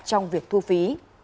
trong việc thu phí